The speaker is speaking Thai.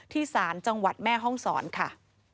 ที่สมแม่ห้องสอนค่ะ